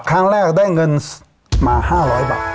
ครั้งแรกได้เงินมา๕๐๐บาท